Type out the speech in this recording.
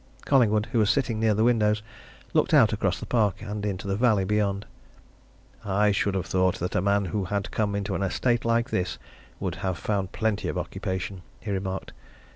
Collingwood, who was sitting near the windows, looked out across the park and into the valley beyond. "I should have thought that a man who had come into an estate like this would have found plenty of occupation," he remarked.